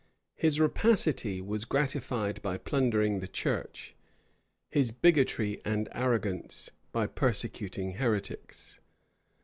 His rapacity was gratified by plundering the church, his bigotry and arrogance by persecuting heretics.